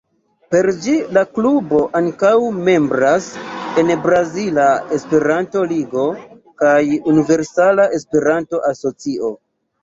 Per ĝi la klubo ankaŭ membras en Brazila Esperanto-Ligo kaj Universala Esperanto-Asocio.